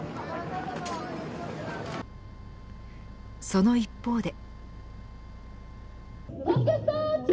その一方で。